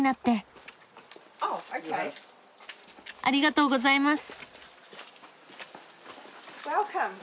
ありがとうございます。